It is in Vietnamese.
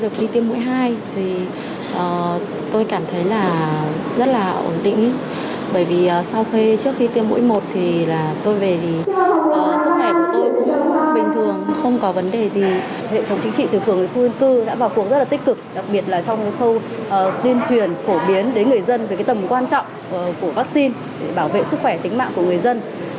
không có vấn đề gì hệ thống chính trị từ phường đến khu dân cư đã vào cuộc rất là tích cực đặc biệt là trong khâu tuyên truyền phổ biến đến người dân về tầm quan trọng của vaccine để bảo vệ sức khỏe tính mạng của người dân